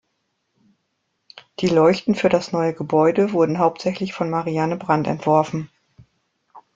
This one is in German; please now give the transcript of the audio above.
Die Leuchten für das neue Gebäude wurden hauptsächlich von Marianne Brandt entworfen.